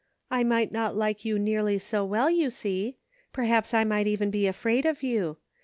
" I might not like you nearly so well, you see. Perhaps I might even be afraid of you.